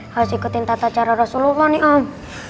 harus ikutin tata cara rasulullah nih om